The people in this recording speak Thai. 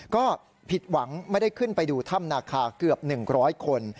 ก็ผิดหวังไม่ได้ขึ้นไปดูถ้ำนาคาเกือบ๑๐๐คน